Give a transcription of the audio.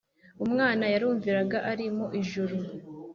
Umwana yarumviraga ari mu ijuru